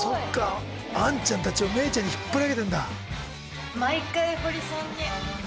アンちゃんたちをメイちゃんに引っ張り上げてんだ。